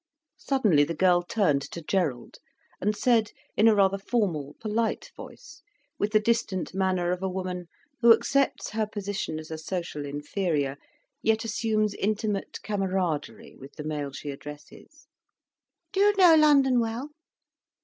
Suddenly the girl turned to Gerald, and said, in a rather formal, polite voice, with the distant manner of a woman who accepts her position as a social inferior, yet assumes intimate camaraderie with the male she addresses: "Do you know London well?"